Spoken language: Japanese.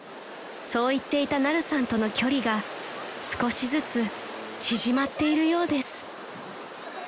そう言っていたナルさんとの距離が少しずつ縮まっているようです］